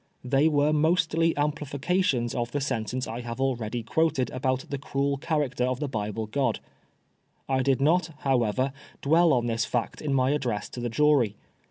They were mostly amplifications of the sentence I have sdready quoted about the cruel character of the Bible God. I did not, however, dwell on this fact in my address to the jury.